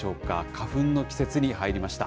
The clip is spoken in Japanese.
花粉の季節に入りました。